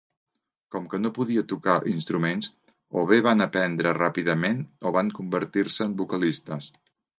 Com que no podia tocar instruments, o bé van aprendre ràpidament o van convertir-se en vocalistes.